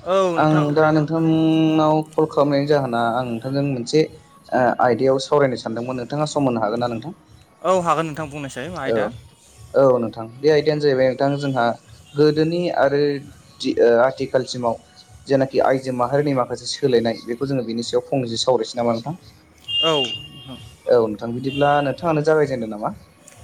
औ नोंथां आं दा थारैनो नोंथांनाव कल खालामनायनि जाहोना आं नोंथांजों मोनसे आयदायाव सावरायनो सानदोंमोन नोंथाङा सम मोननो हागोन ना नोंथां। औ हागोन नोंथां बुंनोसै आयदा औ औ नोंथां बे आयदायानो जाहैबाय नोंथां जोंहा गोदोनि आरो आथिखालसिमाव जेनाखि आयजो माहारिनि माखासे सोलायनाय बेखौ जोङो बिनि सायाव फंनै सावरायनोसै नामा नोंथां? औ थां बिदिब्ला नोंथाङानो जागायजेनदो नामा?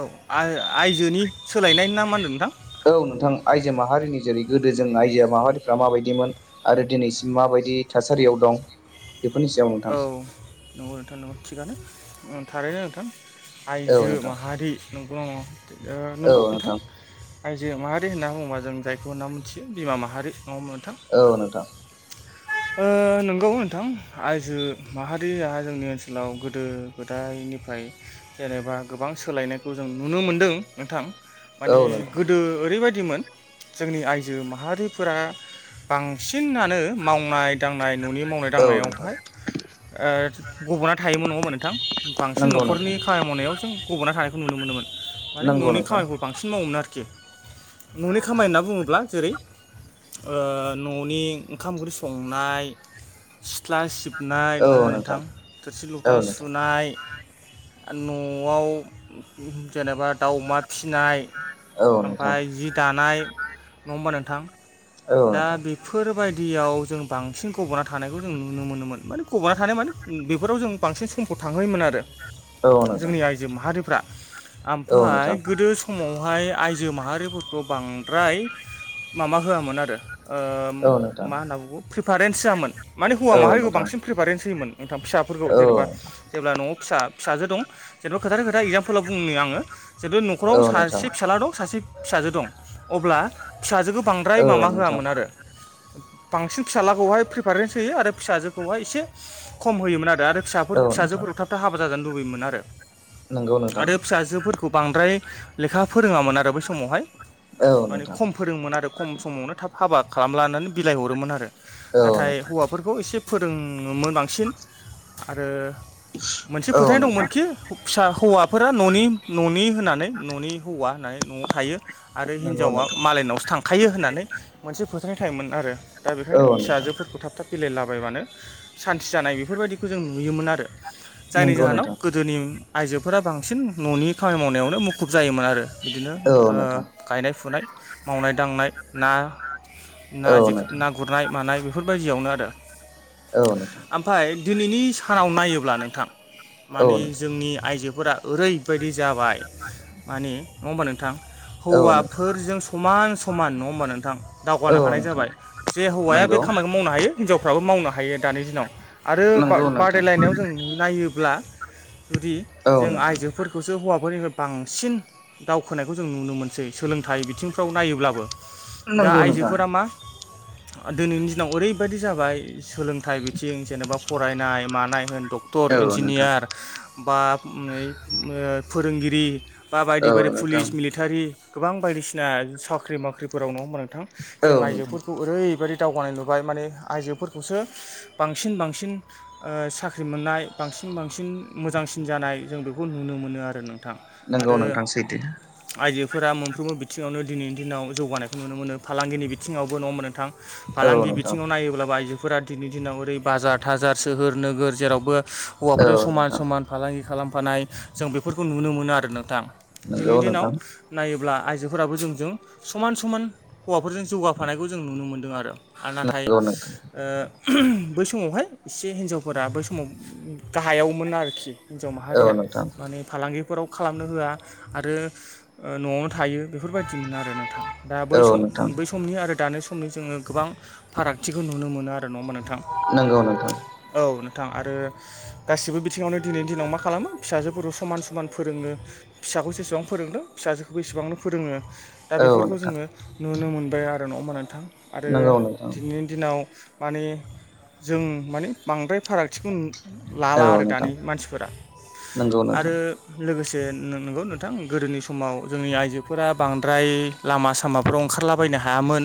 औ आइ आइजोनि सोलायनाय ना मा होनदों नोंथां? औ नोंथां आइजो माहारिनि जेरै गोदो जों आइजो माहारिफ्रा माबायदिमोन आरो दिनैसिम माबाय बायदि थासारियाव दं। बेफोरनि सायाव नोंथां औ नंगौ नोंथां नंगौ थिगानो थारैनो नोंथां औ आइजो नोंथां माहारि नंगौ नामा नंगौ नोंथां आइ जो माहारि होनना बुङोबा जों जायखौ होनना मोनथियो बिमा माहारि नोंथां औ नोंथां ओ नंगौ नोंथां आइजो माहारिया जोंनि ओनसोलाव गोदो गोदाय निफ्राय जेनेबा गोबां सोलायनायखौ जों नुनो मोनदों नोंथां। औ माने नोंथां गोदो ओरैबाय दिमोन जोंनि आइजो माहारिफोरा बांसिनानो मावनाय दांनाय न'नि मावनाय औ नोंथां दांनायावहाय गब'ना थायोमोन नङ नोंथां बांसिन नंगौ नोंथां न'खरनि खामानि मावनायाव जों गब'ना थानायखौ नुनो मोनोमोन माने नंगौ न'नि नोंथां खामानिखौ बांसिन मावोमोन आरोखि। न'नि खामानि होनना बुङोब्ला जेरै न'नि ओंखाम ओंख्रि संनाय सिथला सिबनाय नङा होमबा नोंथां थोरसि औ लथा नोंथां सुनाय न'आव जेनेबा दाउ अमा फिनाय औ नोंथां ओमफ्राय जि दानाय नङा होमबा नोंथां? औ दा नोंथां बेफोरबायदियाव जों बांसिन गब'ना थानायखौ जों नुनो मोनोमोन माने गब'ना थानाय माने बेफोराव जों बांसिन समखौ थांहोयोमोन आरो। औ नोंथां जोंनि आइजो माहारिफ्रा औ ओमफाय नोंथां गोदो समावहाय आइजो माहारिफोरखौ बांद्राय माबा होआमोन आरो ओ औ नोंथां मा होनना बुगो प्रिफारेन्स होयामोन माने हौवा औ माहारिखौ नोंथां बांसिन प्रिफारेन्स होयोमोन। नोंथां फिसाफोरखौ औ जेनेबा जेब्ला न'वाव फिसा फिसाजो दं जेनेबा खोथा खो था एगजामपोलाव बुंनो आङो जेथु न'खराव औ नोंथां सासे फिसाज्ला दं सासे फिसाजो दं अब्ला फिसाजोखौ बांद्राय औ माबा नोंथां होआमोन आरो बांसिन फिसालाखौहाय प्रिफारेन्स होयो आरो फिसाजोखौहाय एसे खम होयोमोन आरो। फिसाफोर औ नोंथां फिसाजोफोराव थाब थाब हाबा जाजानो लुबैयोमोन आरो नंगौ नोंथां आरो फिसाजोफोरखौ बांद्राय लेखा फोरोङामोन आरो बै समावहाय औ माने नोंथां खम फोरोङोन आरो खम समावनो थाब हाबा खालाम लानानै बिलाइ हरोमोन आरो औ नाथाय नोंथां हौवाफोरखौ एसे फोरोङोमोन बांसिन आरो [inaudible] मोनसे फोथायनाय नोंथां दंमोनखि फिसा हौवाफोरा न'नि न'नि होननानै न'नि हौवा होननानै न'आव थायो आरो नंगौ हिनजावा नोंथां मालायनावसो थांखायो होननानै मोनसे फोथायनाय थायोमोन आरो। दा औ बेखायनो नोंथां फिसाजोफोरखौ थाब थाब बिलायलाबायबानो सान्थि जानाय बेफोरबायदिखौ जों नुयोमोन आरो। जायनि नंगौ जाहोनाव नोंथां गोदोनि आइजोफोरा बांसिन न'नि खामानि मावनायावनो मुखुब जायोमोन आरो बिदिनो ओ औ नोंथां गायनाय फुनाय मावनाय दांनाय ना औ नोंथां ना गुरनाय मानाय बेफोरबायदियावनो आरो औ नोंथां ओमफ्राय दिनैनि सानाव नायोब्ला नोंथां औ मानि नोंथां जोंनि आइजो फोरा ओरैबायदि जाबाय माने नङा होमबा नोंथां? हौवाफोरजों समान समान नङा ओमबा नोंथां औ नोंथां औ दावगानो हानाय नोंथां जाबाय जे हौवाया बे नंगौ खामानिखौ मावनो हायो हिनजावफ्राबो मावनो हायो दानि दिनाव आरो नंगौ नोंथां बादायलायनायाव जों नायोब्ला जुदि औ जों नोंथां आइजोफोरखौसो हौवाफोरनि बांसिन दावखोनायखौ जों नुनो मोनसै सोलोंथाइ बिथिंफ्राव नायोब्लाबो दा नंगौ नोंथां आइजोफोरा मा दिनैनि दिनाव ओरैबायदि जाबाय सोलोंथाइ बिथिं जेनेबा फरायनाय मानाय होन डक्टर औ नोंथां इन्जिनियार बा फोरोंगिरि बा औ बायदि बायदि नोंथां पुलिस मिलिटारि गोबां बायदिसिना साख्रि बाख्रिफोराव नङा ओमबा नोंथां। औ जों नोंथां आइजोफोरखौ ओरैबायदि दावगानाय नुबाय माने आइजोफोरखौसो बांसिन बांसिन ओ साख्रि मोननाय बां सिन बांसिन मोजांसिन जानाय जों बेखौ नुनो मोनो आरो नों थां नंगौ आरो नोंथां सैथो आइजो फोरा मोनफ्रोमबो बिथिङावनो दिनैनि दिनाव जौगानायखौ नुनो मोनो फालांगिनि बिथिङावबो न'ङा ओमबा नोंथां। औ फालांगि नोंथां बिथिङाव नायोब्लाबो आइजो फोरा दिनै दिनाव ओरै बाजार थाजार सोहोर नोगोर जेरावबो हौवाफोरजों औ समान नोंथां समान फालांगि खालामफानाय जों बेफोरखौ नुनो मोनो आरो नोंथां। दिनैनि नंगौ दिनाव नोंथां नायोब्ला आइजोफोराबो जोंजों समान समान हौवाफोरजों जौगाफानायखौ जों नुनो मोन्दों आरो आरो नाथाय नंगौ नोंथां ओ बै समावहाय एसे हिनजावफोरा बै समाव गाहायावमोन आरोखि हिनजाव औ माहारिया नोंथां माने फालांगि फोराव खालामनो होआ आरो न'वावनो थायो बेफोरबायदिमोन आरो नों थां दा बै औ सम नोंथां बै समनि आरो दानि समनि जोङो गोबां फारागथिखौ नुनो मोनो आरो नङा ओमबा नोंथां। नंगौ नोंथां। औ आरो गासिबो बिथिङावनो दिनैनि दिनाव मा खालामो फिसाजोफोरखौ समान समान फोरोंनो फिसालाखौ जेसेबां फोरोंदों फिसाजोखौबो बेसेबांनो फोरोङो दा औ बेफोरखौ नोंथां जोङो नुनो मोनबाय आरो नङा ओमबा नोंथां आरो नंगौ नोंथां दिनैनि दिनाव माने जों माने बांद्राय फारागथिखौ औ लाला आरो नोंथां दानि मानसिफोरा नंगौ आरो नोंथां लोगोसे नंगौ नोंथां गोदोनि समाव जोंनि आइजोफोरा बांद्राय लामा सामाफ्राव ओंखारलाबायनो नो हायामोन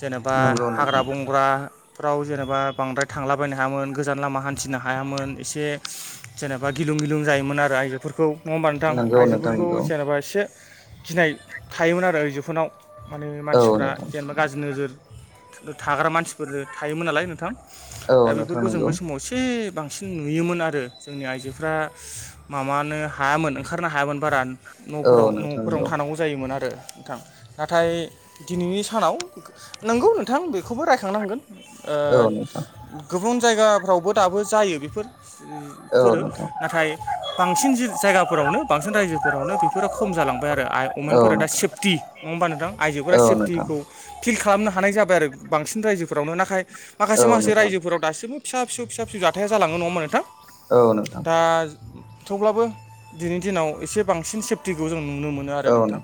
जेनेबा नंगौ हाग्रा नोंथां बंग्रा फाव जेनेबा बांद्राय थांलाबायनो हायामोन गोजान लामा हान्थिनो हायामोन एसे जेनेबा गि लुं गिलुं जायोमोन आरो आइजोफोरखौ नङा होमबा नोंथां नंगौ नोंथां आइजोफोरखौ नंगौ जेनेबा एसे गिनाय थायोमोन आरो आइजोफोरनाव माने औ मानसिफोरा नोंथां जेनेबा गाज्रि नोजोर थाग्रा मानसिफोर थायोमोन नालाय नोंथां। दा औ नोंथां बेफोरखौ जों नंगौ बै समाव एसे बांसिन बांसिन नुयोमोन आरो जोंनि आइजोफ्रा माबानो हायामोन ओंखारनो हायामोन बारा न'फोराव औ नोंथां न'फोरावनो नंगौ थानांगौ जायोमोन आरो नोंथां नाथाय दिनैनि सानाव नंगौ नोंथां बेखौबो रायखांनांगोन औ नोंथां गुबुन जायगाफ्रावबो दाबो जायो बेफोर औ फोरो नोंथां नाथाय बांसिन जि जायगाफोरावनो बांसिन रायजोफोरावनो बेफोरा खम जालां। बाय आरो औ आमेनफोरा दा नोंथां सेफ नङा हा नोंथां आइजोफोरा औ नोंथां सेफटिखौ फिल खालामनो हा। हानाय जाबाय आरो बांसिन रायजोफोरावनो नाथाय माखासे औ माखासे नोंथां रायजोफोराव दासिमबो फिसा फिसौ फिसा फिसौ जाथाया जालाङो नङा होमबा नोंथां औ नोंथां औ नोंथां दा थेवब्लाबो दिनैनि दिनाव एसे बांसिन सेफटिखौ जों नुनो मोनो आरो नोंथां।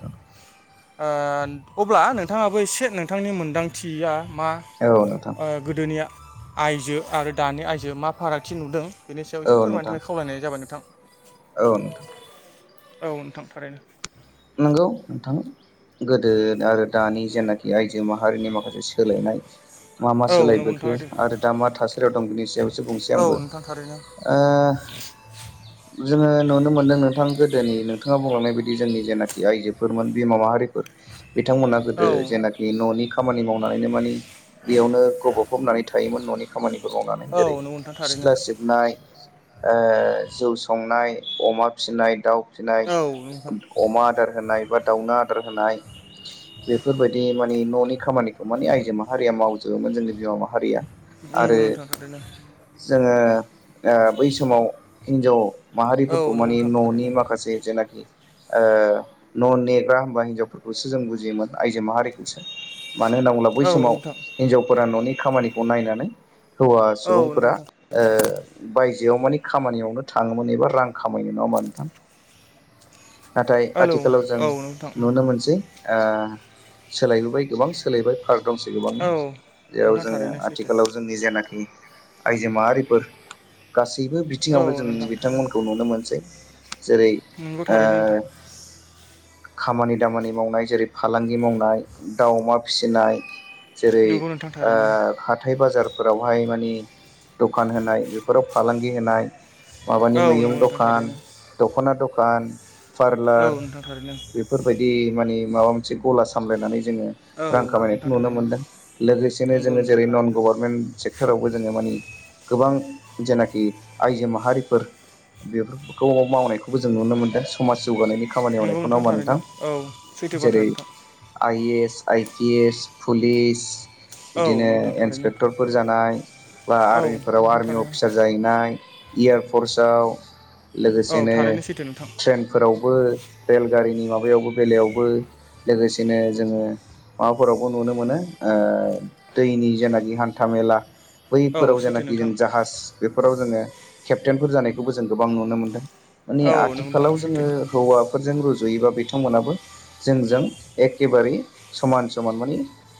अब्ला नोंथाङाबो एसे नोंथांनि मोन दांथिया मा औ नोंथां ओ गोदोनिया आइजो आरो दानि आइजो मा फारागथि नुदों बेनि सायाव एसे औ फोरमायनो नोंथां थाखाय खावलायनाय जाबाय नोंथां। औ औ नोंथां थारैनो नोंगौ नोंथां। गोदो आरो दानि जेनाखि आइजो माहारिनि माखासे सोलायनाय मा मा औ नंगौ सोलायबोखो नोंथां आरो दा मा थासारियाव दं बिनि सायाव एसे बुंनोसै आंबो। आ। जोङो नुनो मोनदों नोंथां गोदोनि नोंथाङा बुंलांनाय बायदि जोंनि जेनाखि। आइजोफोरमोन बिमा माहारिफोर बिथांमोना गोदो जेनाखि न'नि। खामानि मावनानैनो मानि बेयावनो गबफबनानै थायोमोन न'नि खामानिखौ। मावनानै जेरै औ नोंथां थारैनो सिथ्ला सिबनाय जौ संनाय अमा फिसिनाय दाउ फिसिनाय औ अमा। नाय बा दाउनो आदार होनाय बेफोर बायदि। माने न'नि खामानिखौ माने आइजो माहारिया मावजोबोमोन जोंनि बिमा माहारिया। नंगौ आरो नोंथां थारैनो जोङो बै समाव हिनजाव। औ माहारिफोरखौ नोंथां नंगौ नोंथां थारैनो औ नंगौ माने नोंथां न'नि थारैनो औ माखासे जेनाखि। न' नेग्रा होमबा हिनजावफोरखौसो जों बुजियोमोन आयजो माहारिखौसो। मानो होनना बुंब्ला बै समाव नंगौ नोंथां हिन्जावफोरा न'नि खामानिखौ नायनानै। हौवा औ नंगौ सुबुंफोरा नोंथां बायजो। बेयाव मानि खामानियावनो थाङोमोन एबा रां खामायनो नङा होमबा नोंथां नाथाय। हेलौ आथिखालाव जों औ नोंथां नुनो मोनसै ओ सोलायबोबाय गोबां सोलायबाय। पार्क दंसै गोबांनो औ जेराव नोंथां जोङो थारैनो सैथो आथिखालाव जोंनि जेनाखि। आइजो माहारिफोर गासैबो बिथिङावनो औ जों नोंथां बिथांमोनखौ थारैनो नुनो मोनसै। जेरै नंगौ आ थारैनो नोंथां खामानि दामानि मावनाय जेरै फालांगि मावनाय दाव अमा फिसिनाय। जेरै नंगौ नोंथां थारैनो हाथाइ बाजारफोरावहाय मानि। दखान होनाय बेफोराव फालांगि होनाय। माबानि औ मैगं नंगौ नोंथां दखान थारैनो दख'ना दखान औ पारलार। नोंथां थारैनो बेफोरबायदि माने माबा मोनसे गला सामलायनानै। जो औ रां खामायनायखौ नोंथां नुनो थारैनो मोनदों लोगोसेनो नंगौ जोंङो नोंथां जेरै नन थारैनो गभर्नमेन्ट सेक्टरावबो जोंङो। गोबां जेनाखि आइजो माहारिफोर। बेफोरखौ मावनायखौबो जों नुनो मोनदों समाज जौगानायनि। खामानि नंगौ मावनायखौ नंङा नोंथां थारैनो औ सैथो बाथ्रा जेरै नोंथां I A S I P S police औ बिदिनो नोंथां थारैनो इन्सपेक्टरफोर जानाय। औ आर्मिफोराव नोंथां आर्मि थारैनो अफिसार जाहैनाय इयार। सपर्सआव औ लोगोसेनो थारैनो सैथो नोंथां ट्रेनफोरावबो। रेलगारिनि माबायावबो बेलायावबो लोगोसेनो जोंङो माबाफोरावबो नुनो मोनो। दैनि जेनाखि हान्था मेला। औ बैफोराव सैथो जेनाखि नोंथां जों जाहाज बेफोराव जोंङो केप्टेनफोर जानायखौबो जों गोबां नुनो मोनदों। माने औ नंगौ नोंथां आथिखालाव सैथो जोंङो हौवा। जों रुजुयोबा बिथांमोनाबो जोंजों एखेबारे समान समान माने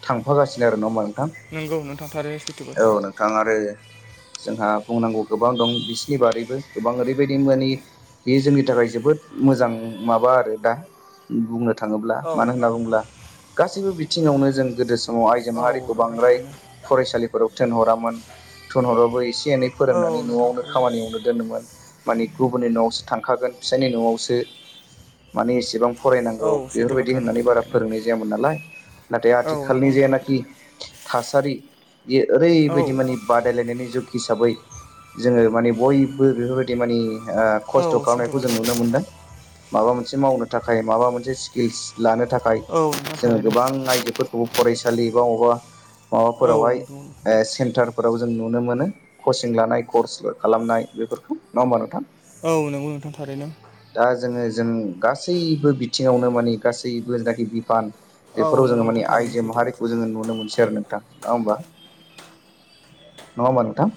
थां होगासिनो आरो नंङा होमबा नोंथां नंगौ नोंथां थारैनो सैथो बाथ्रा औ नोंथां आरो। जोंहा बुंनांगौ गोबां दं बिसिनि बारैबो गोबां ओरैबायदि मे बेयो जोंनि थाखाय जोबोद। मोजां माबा आरो दा बुंनो थांङोब्ला औ मानो होनना नोंथां बुङोब्ला गाससिबो बि बिथिङावनो जों गोदो समाव आइजो औ माहारिखौ नोंथां बांद्राय थारैनो फरायसालिफोराव थिनहरामोन थुनहराबो एसे एनै औ फोरोंनानै नोंथां न'आवनो थारैनो खामानियावनो दोनोमोन। माने गुबुननि न'आवसो थांखागोन फिसायनि न'आवसो माने एसेबां। फरायनांगौ औ सैथो बेफोरबायदि बाथ्रा होननानै नोंथां बारा थारैनो फोरोंनाय जायामोन नालाय। नाथाय औ नंगौ आथिखालनि नोंथां जेनाखि थारैनो थासारि। बियो औ ओरैबायदि माने बादायलायनायनि जुग हिसाबै जोंङो माने बयबो बेफोरबायदि माने। खस्थ' औ सैथो खालामनायखौ जों बाथ्रा नुनो नोंथां मोनदों। माबा मोनसे मावनो थाखाय माबा मोनसे स्किल्स लानो थाखाय औ नोंथां जोंङो थारैनो गोबां आइजोफोरखौ। फरायसालि बा बबेबा औ माबाफोरावहाय नंगौ नोंथां सेन्टार फोराव जों नुनो मोनो कचिं लानाय कर्स खालामनाय बेफोरखौ नंङा होमबा नोंथां औ नंगौ नोंथां थारैनो दा जोङो जों गासैबो बिथिंङावनो माने गासैबो जेनाखि बा औ बेफोराव नंगौ जोंङो माने नोंथां थारैनो आयजो सैथो बाथ्रा माहारिखौ जोंङो नुनो मोनसै आरो ना नोंथां नंङा होनबा नङा होमबा नोंथां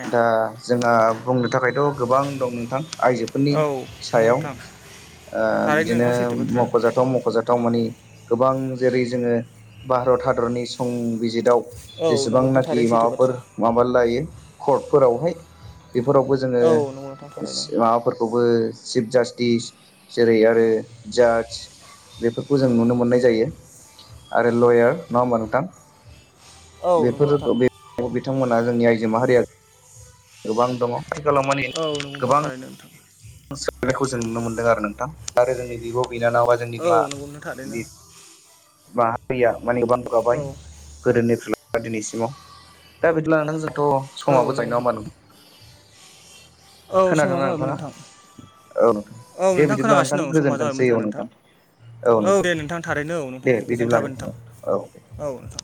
ए दा जोंहा बुंनो थाखायथ' गोबां दं नोंथां आइजोफोरनि औ नंगौ सायाव नोंथां ओ थारैनो बिदिनो नोंगौ सैथो बाथ्रा मख'जाथाव मख'जाथाव मानि गोबां जेरै जोङो भारत हादरनि संबिजिताव औ जेसेबां नंगौ नोंथां नाखि थारैनो सैथो माबाफोर बाथ्रा माबा लाायो। कर्टफोरावहाय बेफोरावबो जोंङो औ नंगौ नोंथां थारैनो माबाफोरखौबो चिफ जास्टिस जेरै आरो जाज बेफोरखौ जों नुनो मोननाय जायो आरो लयार नंङा होमबा नोंथां औ नंगौ नोंथां बेफोरखौ बे बिथांमोना जोंनि आइजो माहारिया गोबां दंङो आथिखालाव माने औ नंगौ नोंथां गोबां थारैनो नोंथां सोलायनायखौ जों नुनो मोनदों आरो नोंथां आरो जोंनि बिब' बिनानव बा जोंनि औ मा नंगौ नोंथां थारैनो बि माने बान औ गाबाय गोदोनि दा दिनैसिमाव दा बिदि लानानै जोंथ' औ समाबो जायो नंगौ नंङा नोंथां होमबा नों औ समा जाबायमोन नोंथां औ नोंथां औ दे नोंथां बिदिब्ला खोनागासिनो दं समा गोजोनथोंसै जाबायमोन जोंहा औ नोंथां औ दे नोंथां थारैनो औ नोंथां बे गोजोन थाबाय नोंथां औ नोंथां